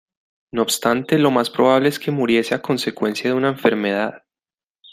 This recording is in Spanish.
No obstante, lo más probable es que muriese a consecuencia de una enfermedad.